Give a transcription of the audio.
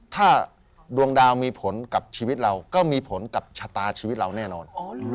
ถ้าดวงดาวมีผลกับชีวิตเราก็มีผลกับชะตาชีวิตเราแน่นอน